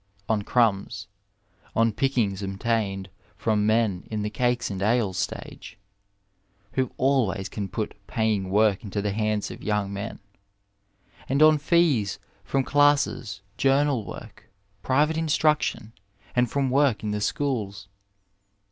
On crnmba— on piddngs obtained from men in the cakes and ale stage (who always oan put paying woik into the hands of yonng men), and on fees from dasses, jonmal work, private instruction, and from work in the schools.